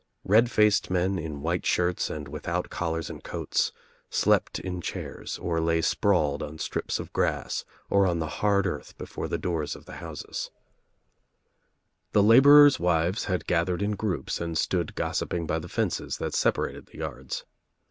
Red faced men in white shirts and without collars and coats slept In chairs or lay sprawled on strips of grass or on the hard earth before the doors of the houses. UNLIGHTED LAMPS 69 ^H The laborers' wives had gathered la groups and stood gossiping by the fences that separated the yards.